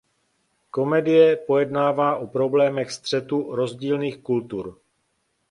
Komedie pojednává o problémech střetu rozdílných kultur.